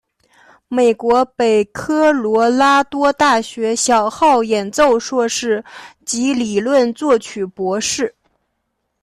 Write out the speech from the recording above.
美国北科罗拉多大学小号演奏硕士及理论作曲博士。